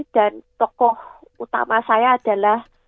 dan tokoh utama saya adalah